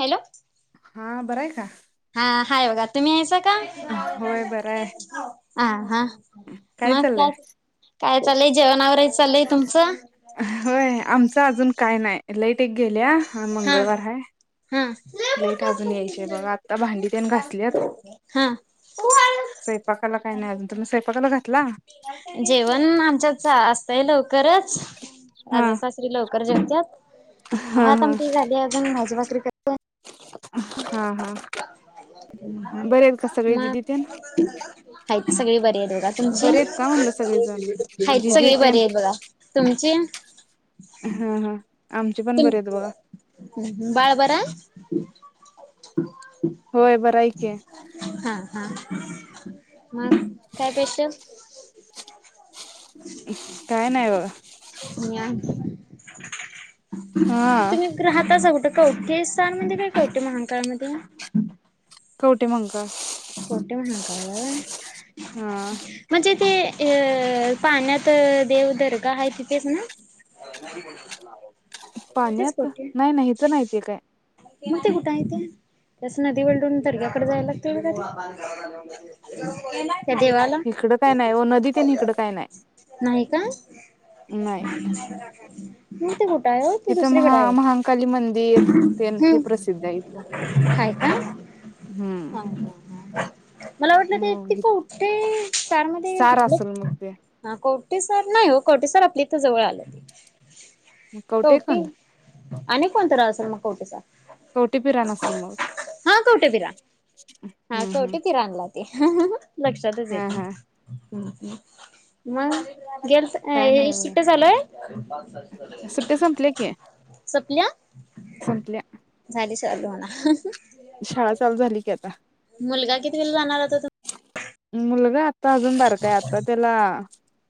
Hello. हां बरंय का. हा हाय बघा तुम्ही हायसा. होय बरं आहे. [unintelligible] आ हा मग काय काय चाललंय जेवण आवरायचं चाललंय तुमच. इथं अजून काय नाही लाईट इट एक गेल्या आन हा मंगळवार हाय. हा लाईट अजून यायचीय बघा आत्ता भांडी त्येन घासलीयात हा स्वयंपाकाला काय नाही अजून तुम्ही स्वयंपाकाला घातला. खरंच हा आजा सासरे लवकर जेवत्यात. हा व्हय आता हा आमटी झालीये अजून माझी भाकरी कर [unintelligible] अप ला [unintelligible] बरे आहेत का सगळे मग दिदी तेन? हाईत सगळी बरी येत. बघ तुमची बरे आहेत का म्हणलं सगळेजण? हाइत जिजू सगळी तेन? बरी हाईत बघा तुमची? ह ह आम तीन बाळ बरा आहे. [inaudible] होय बरं हाय की. हा मग काय पेशल. काय नाय बघा. [inaudible] हा तुम्ही राहतासा कुठं? [unintelligible] [unintelligible] [unintelligible] कवटे म्हणतात. कवठे महांकाळ. हा म्हणजे ते ये पाण्यातं देवदर्गा हाय तिथेच ना. तेच पाण्यात कवठे नाही नाही इथं नाही ते काय. [unintelligible] [unintelligible] इकडं काय नाही, वो नदी तेन इकडं काय नाही नाही का? नाही. म ते होत [unintelligible] इथं महा महांकाली मंदिर तेन हे हम्म प्रसिद्ध आहे इथ हाय का? हम्म हा मला वाटलं ते ति मग पव्हठे सार मध्ये असेल मग ते घातलं कवटेसर नाही हो कवटेसर आपल्या इथ जवळ आलं. कवटे कवठे खंद आणि कोण तर असेल मग कोवटेचा कौटेपिराण असल मग हा कवटे पिरा हा हम्म हम्म कवठेपीरणला ते हा ह. लक्षातच हा हा येतं मग गेलत काय का नाही बघा सुट्या चालूय सुट्ट्या संपल्या की सपल्या संपल्या. सल हो ना [unintelligible] शाळा चालू झाली की आता मुलगा कितवीला जाणार आता तुम् मुलगा अजून बार काय आता त्याला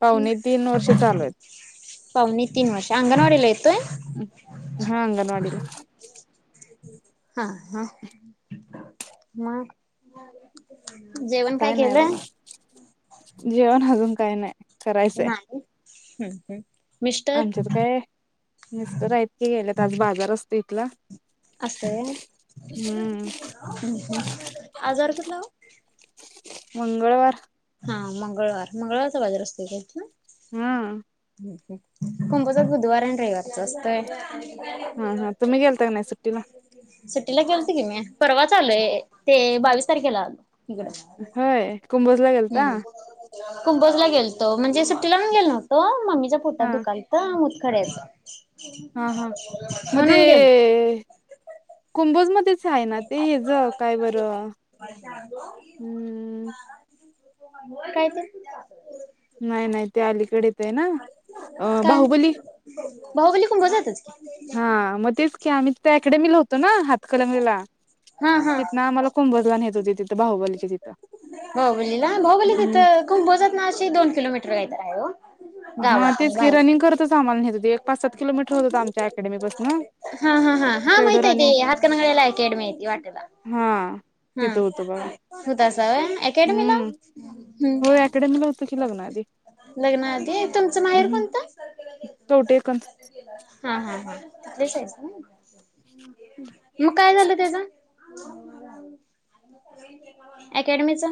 पाहुणे तीन वर्ष चालू आहेत. पाहुणे तीन वर्ष अंगणवाडीला येतोय हा अंगणवाडीला हा हा. मग जेवण काय नाही बघा केलं. जेवण अजून काही नाही. करायचंय नाही. हम्म हम्म. मिस्टर आमच्यात काय मिस्टर आहेत की गेल्यात आज बाजारासनी ला असंतय हम्म हम्म आजार कुठला हो. मंगळवार. हा मंगळवार मंगळवारचा बाजार असतो काय ना‌‌ हा. हा हम्म हम्म. कुंभचात बुधवार आणि रविवारच असतय. हा हा तुम्ही गेलता का नाही सुट्टीला सुट्टीला गेलते की म्या परवाच आलोय ते बावीस तारखेला आलो इकडं. होय कुंभ. हम्म कुंभजला गेलतो म्हणजे सुट्टीला पण गेलो नव्हतो मम्मी च्या पोटात हा दुखालत खरंच हा हा म्हणून गेल कुंभज मध्ये आहे ना ते ह्याच काय बरं हम्म कायच नाही नाही ते अलीकडेच आहे ना अ काय बाहुबली बाहुबली कुंभोजातच की हा मग तेच की आम्ही इकडे ना हातकलंगलीला हा हा तिथन आम्हाला कुंभजला नेत होते तिथं बाहुबलीच्या तिथ हो म्हणजे ना बाहुबली तिथं कुंभजत ना अशी दोन किलोमीटर आहेत आहे हो हा तेच की रनिंग करतच आम्हाला नेत होते पाच सात किलोमीटर होत होतं आमच्या अकॅडमी पासन हा हा हा हा माहितीये ते हातकणंगलेला अकॅडमी आहे ते वाटेला हा तिथं होतं बघा हम [unintelligible] अकाॅडमीला हम्म होय अकॅडमी ला होतो की लग्न आधी लग्नाआधी तुमचं माहेर कोणतं? [unintelligible] हा हा हाईज [unintelligible] मग काय झालं त्यांचा अकॅडमीचा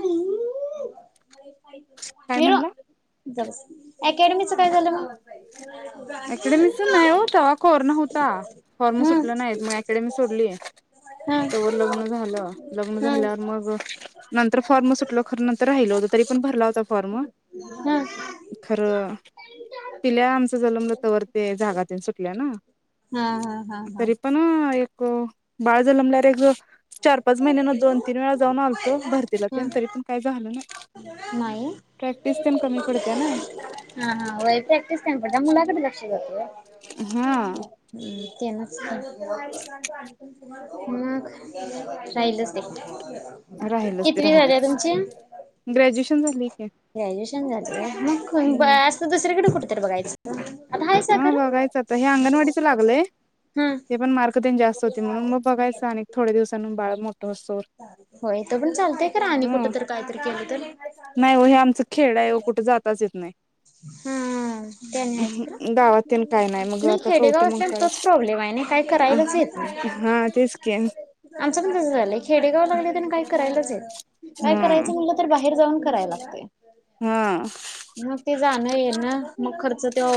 काय मीरो म्हणला अकॅडमीचं काय झालं म अकॅडमीच नाही हो तेव्हा कोरोना होता. फॉर्म हम्म सुटलं नाहीत म अकॅडेमी सोडली तोवर हम्म लग्न झालं लग्न झाल्यावर मग नंतर फॉर्म सुटलं खरं नंतर राहिल होत तरी पण भरला होता फॉर्म हम्म खरं पिल्या आमचा जलम तोवर ते जागा तिनं सुटल्या हा हा हा हा हा तरी पण हो बाळ जन्मल्या [unintelligible] चार पाच महिन्यांना दोन तीन वेळा जाऊन आलतो भरतीला तेन हम्म तरी पण काय जमलं नाही नाही प्रॅक्टिस तेन कमी पडते नाही हा हा वय प्रॅक्टिस काय पडत मुलाकडे लक्ष जात होय [unintelligible] हम्म [inaudible] [inaudible] मग राहिलच- ते राहिलच ते कितवी झाली राहिलच तुमची ग्रॅज्युएशन झालंय की. ग्रॅज्युएशन झालंय मग हम्म अस दुसर कडं कुठ तर बघायचं होतं. हा बघायचं आता हे अंगणवाडीचं लागलंय हा हे पण मार्क तेन जास्त होती म्हणून मग बघायचं अनेक थोड्या दिवसां बाळ मो होय इथं पण चालतय खर आणि कुठ ह तर काहीतरी केलं तर नाही हो हे आमचं खेड आहे ओ कुठं जाताच येत हम्म त्यांनी हाइच खर नाही गावात तेन काय मग नाही आता खेडेगाव कवटे असल्यान तोच मंकाळात प्रॉब्लेम आहे नि काय करायलाच येत नाही हा तेच की आमच पण तस झालंय खेडेगाव लागले आणि काय करायलाच काय हम्म करायचं म्हटलं तर बाहेर जाऊन. करायला लागतय. हम्म. मग ते जाणं येणं मग खर्च त्यो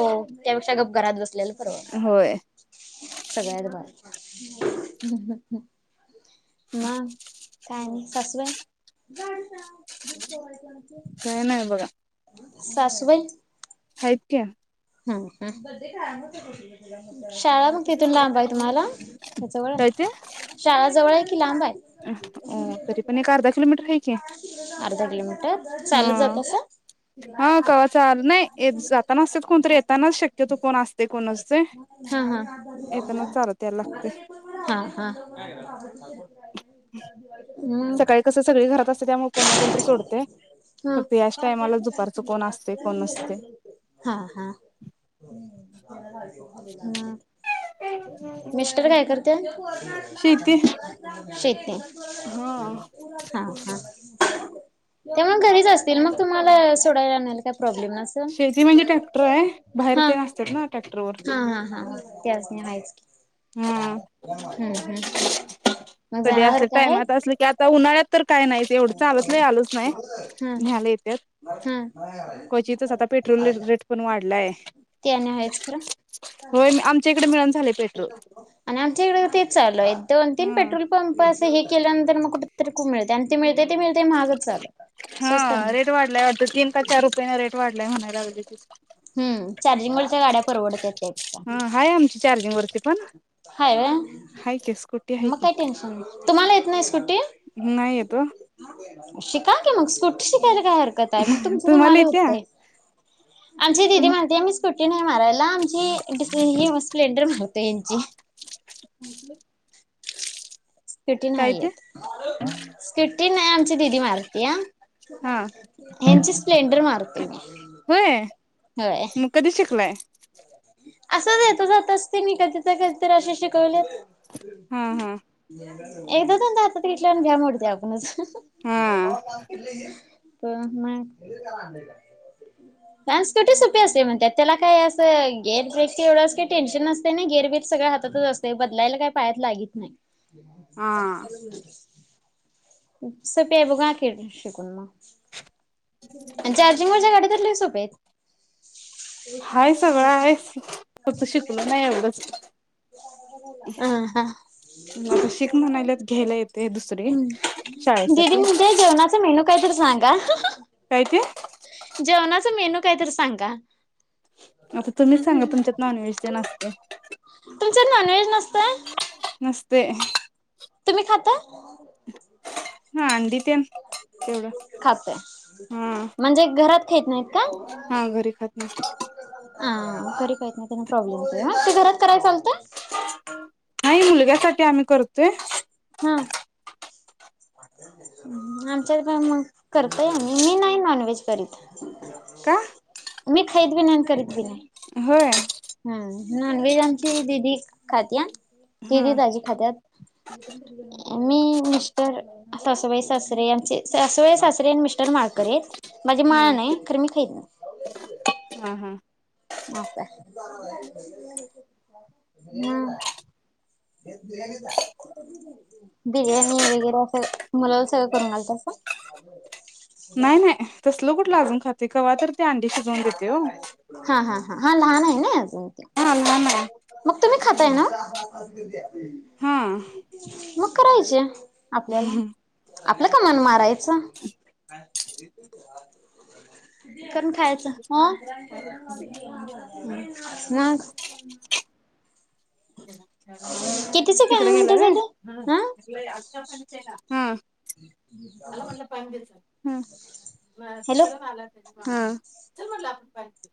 त्यापेक्षा गप घरात बस ल्याल परवडते होय सगळ्यात भारी. मग काय आणि सासुबाई. काय नाही बघा. सासुबाई. हाईत की. ह ह. शाळा मग तिथून लांब आहे तुम्हाला का जवळाय शाळा जवळ आहे की लांब आहे? हो तरी पण एक अर्धा किलोमीटर आहे कि अर्धा किलोमीटर चालत ह जातासा? हा कवा चाल नाही जाताना असत नसतय हा हा. येताना चालत यायला लागतय हा हा. मग सकाळी कस सगळी इ घरात अस फक्त याच टायमाला दुपारचं कोण असते कोण नसते. हा हा हा. हा. [inaudible] त्यात शेती [unintelligible] शेेतेंन. हा हा हा. तेंव्हा घरीच रीच असतील मग तुम्हालास थोड्या वेळानं येल त्या प्रॉब्लेम नसन शेती म्हणजे ट्रॅक्टर आहे बाहेर हा, ते असतात ना ट्रॅक्टरवर हा हा हा त्यासनी हायेच की हा हम्म हम्म, मग कधी जनावर असले काय टायमात असलं हाईत. की आता उन्हाळ्यात तर काय नइ. तेवढ चालत लई आलोच नई हा न्यायला येतात, हा क्वचितच आता पेट्रोल रेटपण वाढलाय, ते आणि आहेच खरं होय आमच्या इकड मिळणा झालंय पेट्रोल. आणि आमच्या इकडे तेच चालूय दोन तीन ह पेट्रोल पंप तस हे केल्यानंतर कुठतरी [unintelligible] मिळतय अन ते मिळत हा नाही. रेट वाढला वाटत तीन का चार रुपयाने रेट वाढलाय. [unintelligible] राहू दे. हम्म, चार्जिंग वरच्या गाड्या परवडत्यात त्यापेक्षा, हा हाय आमची चार्जिंग वरती पण हाय, हाय की स्कूटी हाय मग की काय टेंशन नइ. तुम्हाला येत नाइ स्कुटी. नाही येत ओ. शिका की मग स्कुटी शिकायला काय हरकत आहे मग तुमच तुम्हाला तुमाला येत्या होतय. आमची तुम दिदी म्हणती आम्ही स्कूटी नाही मारायला आमची ही स्पॅल्डर मारा आता यांची. स्कुटी काय नाही ते येत, स्कुटी नाही आमची दिदी मार या. हा ह्यांची स्प्लेंडर मारते मी. होय. मग कधी होय. असच येत जात असते मी कधी तर कधी तर असे शिकवलेत. हा हा. एकदा दोनदा हातात घेतल्यावर भ्या मोडत्या अपुनच. [unintelligible] हा परत न्हाय, लाल स्कुटी सोपी असत्यात म्हणत्यात त्याला काय अस. गेर ब्रेक तर एवढं काय टेंन्शन नसतयना गेर बीर सगळं हातातच असतय बदलायला काय पायात लागत नाही. हा [inaudible] [unintelligible] अन चार्जिंग वरच्या गाड्या तर लै सोप्यायेत. हाय सगळं आहे, फक्त शिकलो नाही एवढंच. अ हा, आता शिक म्हणाल्यात घ्यायला येते दुसरी हम्, दिदी शाळेसाठी म्हणते जेवणाचा मेनू काय तर सांगा. काय ते जेवनाच मेनु. काहीतरी सांगा. आता तुम्हीच सांगा तुमच्यात नॉनव्हेज ते ना असते. तुमच नॉनवेज नसतय. नस्ते. तुम्ही खाता हांदीप खात हा म्हणजे घरात खेत नाहीत का. हा घरी खात नाही खरी का? म त्याना प्रॉब्लेम म ते घरात कराय चालत. नाही मुलग्यासाठी आम्ही करतोय. हा आमच्या मग करतय आम्ही मी नाही नॉन व्हेज करीत. का? मी खात बी नाही आणि करीत बी नाही. हो. हम् नॉन व्हेज आमची दिदी खाती. हा किती ताजी खात्यात. मी मिस्टर सासुबाई सासरे आचे सासूबाई सासरे आणि मिस्टर माळकर आहेत. माझी हा माळ नाही ख मी खाहीत नाही. कावलेच. हा हा मप हम् बिर्याणी वगैरे असं मुलाला सगळं करून घालत असं. नाही नाही तसल कुठलं अजून खाते. क तर ते अंडी शिजवून देते हो. हा हा हा लहान आहे ना अजून ते. हां ना म तुम्ही मग खाताय करायचे आपल्याला आपल्या कामान मारायचं. करून खायचं ह. [unintelligible] ना. ह [unintelligible] तिकडे गेलं रे. [unintelligible] पान बिचा हम्म. हॅलो. [unintelligible]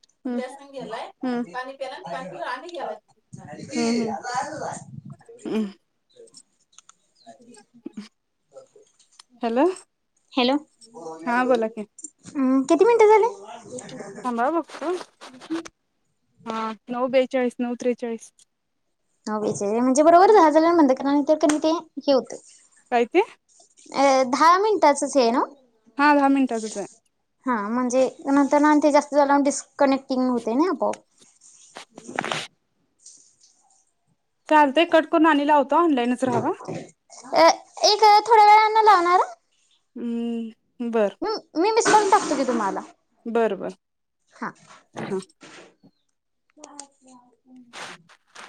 [unintelligible] हम्म [unintelligible] [inaudible] हॅलो हॅलो हा बोला की. हम्म किती मिनटं झाले? थांबा बगतो. हं हं. हा नऊ बेचाळीस, नऊ त्रेचाळीस [unintelligible] म्हणजे बरोबरच आहे [unintelligible] हे होते. काय ते? ए दहा मिनिटाचच हे ना हो. हा दहा मिनिटाचच आहे. म्हणजे नंतर ना आन ते जास्त झाल्या डिस्कनेक्टिंग होतय ना आपोआप. चालतय कट करून आणि लावता ऑनलाईनच रहावा. अ एक थोड्या वेळानं लावणार हा. हम्म. बर मी मिस करून टाकतो की तुम्हाला बरं बरं. हा हं. [inaudible]